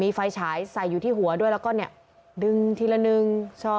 มีไฟฉายใส่อยู่ที่หัวด้วยแล้วก็เนี่ยดึงทีละหนึ่ง